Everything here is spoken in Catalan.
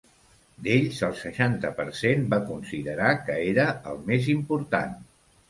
D'ells, el seixanta per cent va considerar que era el més important.